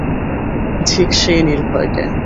ধিক সেই নির্ভয়কে।